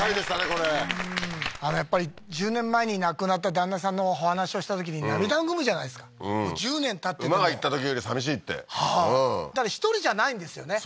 これうんあのやっぱり１０年前に亡くなった旦那さんのお話をしたときに涙ぐむじゃないですかもう１０年たってても馬がいったときよりさみしいってはあだから１人じゃないんですよね